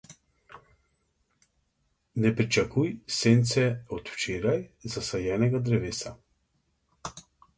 Ne pričakuj sence od včeraj zasajenega drevesa.